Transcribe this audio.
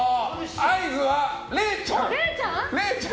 合図は、れいちゃん。